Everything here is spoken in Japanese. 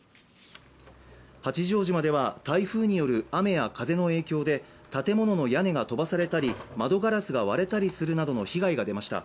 八丈島では、台風による雨や風の影響で建物の屋根が飛ばされたり窓ガラスが割れたりするなどの被害が出ました。